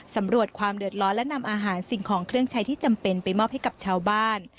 สำรวจความเดือดร้อนและนำอาหารสิ่งของเครื่องใช้ที่จำเป็นไปมอบให้กับชาวบ้าน